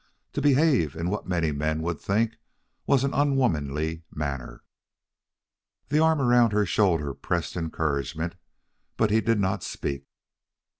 to behave in what many men would think was an unwomanly manner?" The arm around her shoulder pressed encouragement, but he did not speak.